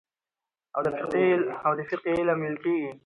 او د فقهي علم ويل کېږي.